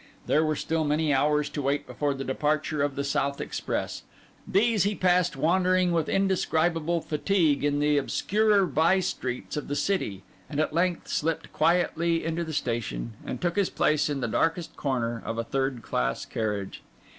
There were still many hours to wait before the departure of the South express; these he passed wandering with indescribable fatigue in the obscurer by streets of the city; and at length slipped quietly into the station and took his place in the darkest corner of a third class carriage.